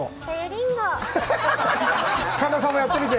神田さんもやってみて。